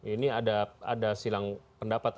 ini ada silang pendapat